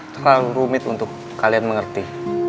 terlalu rumit untuk kalian mengerti